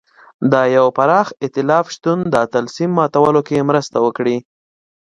د یوه پراخ اېتلاف شتون د طلسم ماتولو کې مرسته وکړي.